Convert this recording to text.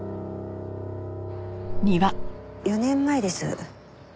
４年前です。